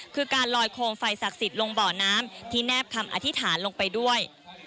คือการลอยโคมไฟศักดิ์สิทธิ์ลงบ่อน้ำที่แนบคำอธิษฐานลงไปด้วย